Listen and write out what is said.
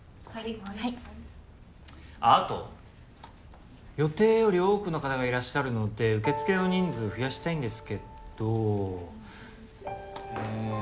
はいあっあと予定より多くの方がいらっしゃるので受付の人数増やしたいんですけどえ